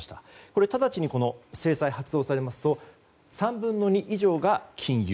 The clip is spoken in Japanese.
これ直ちに制裁が発動されますと３分の２以上が禁輸。